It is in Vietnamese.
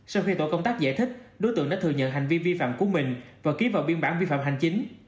sau khi tổ công tác giải thích đối tượng đã thừa nhận hành vi vi phạm của mình và ký vào biên bản vi phạm hành chính